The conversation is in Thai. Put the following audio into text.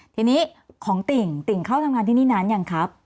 ทีนี้ของติ่งติ่งเข้าทำงานที่นี่นานยังครับ